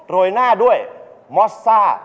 ยหน้าด้วยมอสซ่า